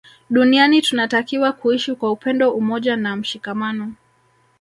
Duniani tunatakiwa kuishi kwa upendo umoja na mshikamano